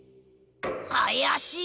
あやしい。